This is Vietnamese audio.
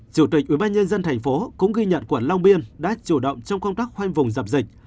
chủ tịch ubnd tp cũng ghi nhận quận long biên đã chủ động trong công tác hoanh vùng dập dịch